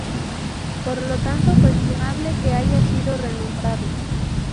Por lo tanto, cuestionable que haya sido renombrado.